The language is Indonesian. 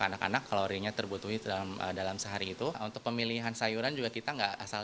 anak anak kalorinya terbutuhi dalam dalam sehari itu untuk pemilihan sayuran juga kita enggak asal